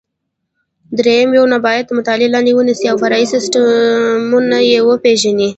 درېیم: یو نبات د مطالعې لاندې ونیسئ او فرعي سیسټمونه یې وپېژنئ.